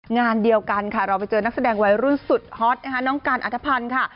งานเดียวกันค่ะเราไปเจอนักแสดงวัยรุ่นสุดฮอตนะคะน้องกันอัธพันธ์ค่ะ